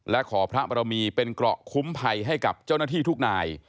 และขอพระบรมีเป็นเกราะคุ้มภัยให้กับเจ้าหน้าที่ทุกนาย